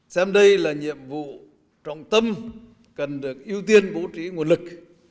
xem đây là nhiệm vụ trọng tâm cần được ưu tiên bố trí nguồn lực